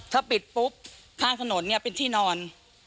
ถ้าปิดปุ๊บข้างถนนเนี่ยเป็นที่นอน